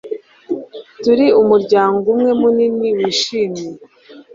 Turi umuryango umwe munini wishimye